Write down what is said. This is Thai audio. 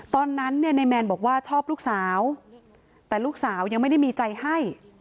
ตอนนั้นเนี่ยนายแมนบอกว่าชอบลูกสาวแต่ลูกสาวยังไม่ได้มีใจให้